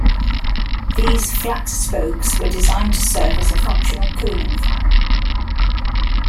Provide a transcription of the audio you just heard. These flat spokes were designed to serve as a functional cooling fan.